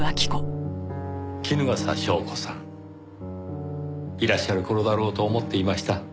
衣笠祥子さんいらっしゃる頃だろうと思っていました。